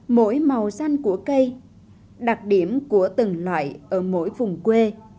mỗi màu xanh của cây đặc điểm của từng loại ở mỗi vùng quê